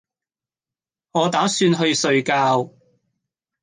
我打算去睡覺